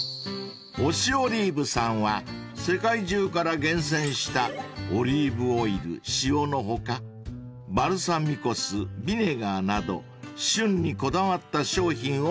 ［おしおりーぶさんは世界中から厳選したオリーブオイル塩の他バルサミコ酢ビネガーなど旬にこだわった商品をセレクト］